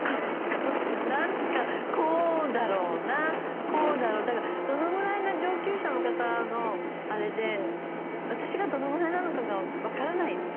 なんかこうだろうなこうだろうだからどのぐらいが上級者の方のあれで私がどのぐらいなのかが分からないです。